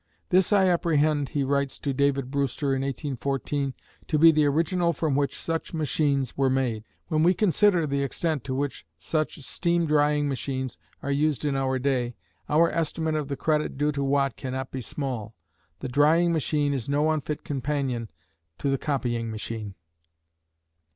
"This I apprehend," he writes to David Brewster in 1814, "to be the original from which such machines were made." When we consider the extent to which such steam drying machines are used in our day, our estimate of the credit due to Watt cannot be small. The drying machine is no unfit companion to the copying machine.